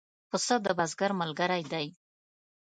پسه د بزګر ملګری دی.